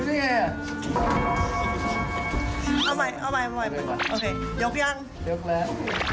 เอาใหม่ไปโอเคยกยังยกแล้ว